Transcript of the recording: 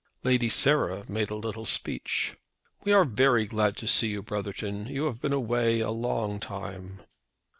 Lady Sarah made a little speech. "We are very glad to see you; Brotherton. You have been away a long time."